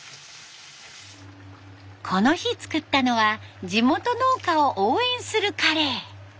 この日作ったのは地元農家を応援するカレー。